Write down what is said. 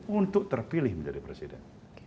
untuk terpilih menjadi presiden